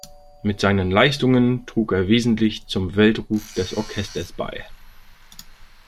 Mit seinen Leistungen trug er wesentlich zum Weltruf des Orchesters bei.